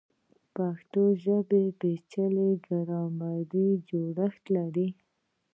پښتو ژبه پیچلی ګرامري جوړښت لري.